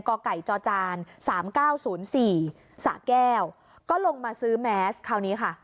กไก่จอจาน๓๙๐๔สะแก้วก็ลงมาซื้อแมสคราวนี้ค่ะ